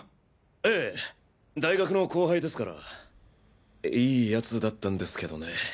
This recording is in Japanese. ええ大学の後輩ですからいい奴だったんですけどね。